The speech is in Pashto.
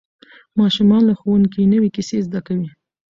ماشومان له ښوونکي نوې کیسې زده کوي